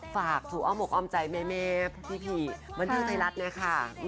ฝากสู่อมกอมใจเมเมพี่บรรทิวไทยรัฐนะคะ